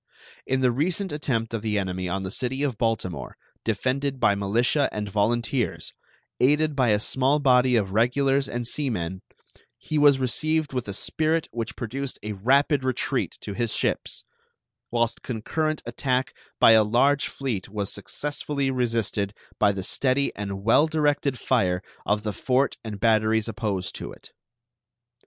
In the recent attempt of the enemy on the city of Baltimore, defended by militia and volunteers, aided by a small body of regulars and sea men, he was received with a spirit which produced a rapid retreat to his ships, whilst concurrent attack by a large fleet was successfully resisted by the steady and well directed fire of the fort and batteries opposed to it.